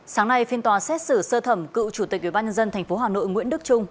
sáng nay phiên tòa xét xử sơ thẩm cựu chủ tịch ubnd tp hà nội nguyễn đức trung